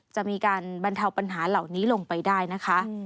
จะมีการบรรเทาปัญหาเหล่านี้ลงไปได้นะคะ